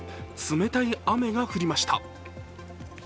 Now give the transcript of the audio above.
冷たい雨が降りました。